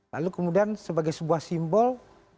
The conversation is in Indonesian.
lalu kemudian sebagai sebuah simbol